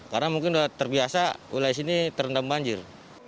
karena mungkin sudah terbiasa wilayah sini terendam banjir